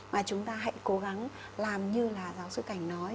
mà chúng ta hãy cố gắng làm như là giáo sư cảnh nói